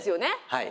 はい。